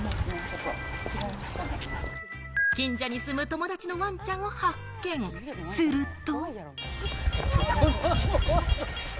近所に住む友達のワンちゃんを発見、すると。